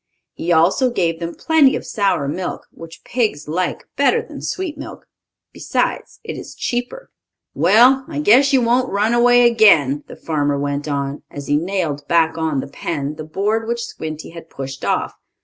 He also gave them plenty of sour milk, which pigs like better than sweet milk. Besides, it is cheaper. "Well, I guess you won't run away again," the farmer went on, as he nailed back on the pen the board which Squinty had pushed off.